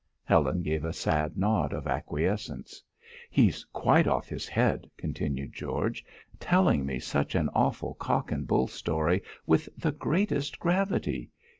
Helen gave a sad nod of acquiescence. "He's quite off his head," continued George, " telling me such an awful cock and bull story with the greatest gravity!